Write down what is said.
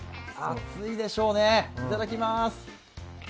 熱いでしょうね、いただきまーす。